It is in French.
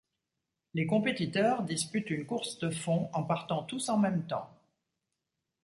Les compétiteurs disputent une course de fond en partant tous en même temps.